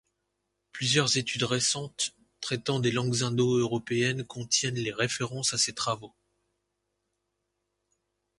Plusieurs études récentes traitant des langues indo-européennes contiennent les références à ses travaux.